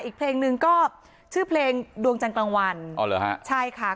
อีกเพลงหนึ่งก็ชื่อเพลงดวงจันทร์กลางวันอ๋อเหรอฮะใช่ค่ะ